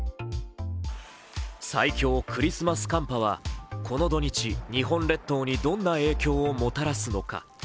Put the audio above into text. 最強クリスマス寒波はこの土日日本列島にどんな影響をもたらすのか。